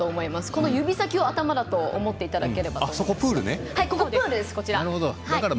この指先を頭だと思っていただければと思います。